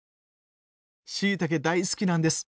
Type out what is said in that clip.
しいたけ大好きなんです。